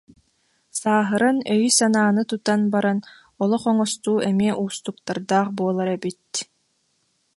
Сааһыран, өйү-санааны тутан баран олох оҥостуу эмиэ уустуктардаах буолар эбит